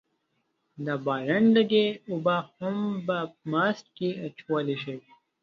د بادرنګ لږې اوبه هم په ماسک کې اچولی شئ.